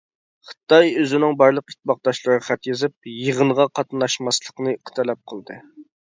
خىتاي ئۆزىنىڭ بارلىق ئىتتىپاقداشلىرىغا خەت يېزىپ، يېغىنغا قاتناشماسلىقنى تەلەپ قىلدى.